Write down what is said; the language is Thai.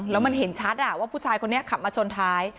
แล้วมันเห็นชัดว่าผู้ชายคนนี้ขับมาชนท้าย